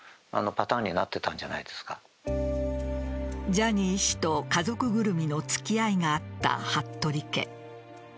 ジャニー氏と家族ぐるみの付き合いがあった服部家。